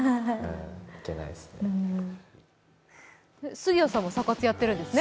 杉谷さんもサ活やってるんですね？